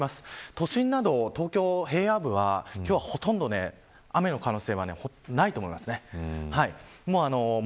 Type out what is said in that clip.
都心など、東京平野部は今日は、ほとんど雨の可能性はないと思います。